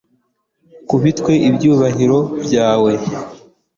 ukubitwe ibyuhagiro byawe